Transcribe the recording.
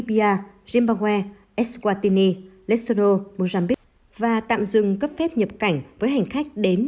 jakarta zimbabwe eswatini lesotho mozambique và tạm dừng cấp phép nhập cảnh với hành khách đến